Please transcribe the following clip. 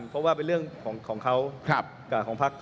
เพราะว่าเป็นเรื่องของเขากับพัก